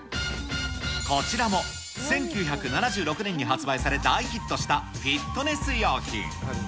こちらも１９７６年に発売され、大ヒットしたフィットネス用品。